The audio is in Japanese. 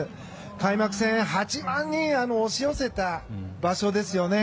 開幕戦、８万人が押し寄せた場所ですよね。